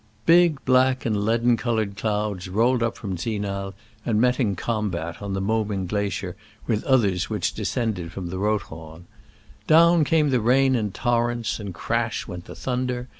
Big black and leaden colored clouds rolled up from Zinal, and met in combat on the Moming glacier with others which descended from the Rothhorn. Down came the rain in torrents and crash went the thunder.